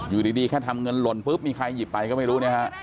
อยู่ดีแค่ทำเงินหล่นปุ๊บมีใครหยิบไปก็ไม่รู้นะฮะ